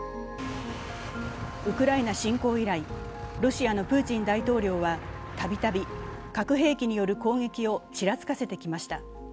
ウクライナ侵攻以来、ロシアのプーチン大統領はたびたび核兵器による攻撃をちらつかせてきました。